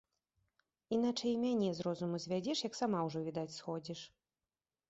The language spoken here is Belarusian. Іначай і мяне з розуму звядзеш, як сама ўжо, відаць, сходзіш.